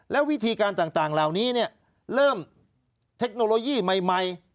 แล้ววิธีการต่างเหล่านี้เริ่มเทคโนโลยีใหม่